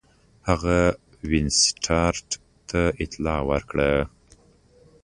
هغه وینسیټارټ ته اطلاع ورکړه.